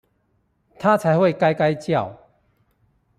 他才會該該叫！